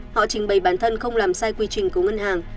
họ trình bày bản thân không làm sai quy trình của ngân hàng